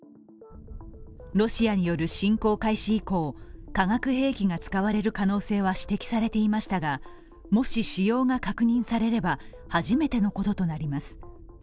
ロシアによる侵攻開始以降、化学兵器が使われる可能性は指摘されていましたが、もし、使用が確認されれば初めてのこととなります。